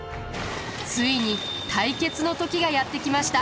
ついに対決の時がやって来ました。